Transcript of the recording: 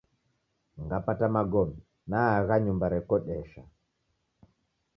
Ngapata magome naagha nyumba rekodesha.